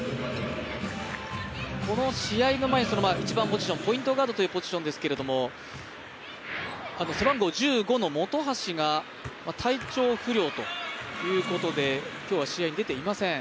この試合の前１番ポジションポイントガードというポジションですが背番号１５の本橋が体調不良ということで今日は試合に出ていません。